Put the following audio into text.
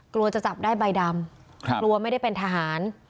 กลัวจะจับได้ใบดำกลัวไม่ได้เป็นทหาร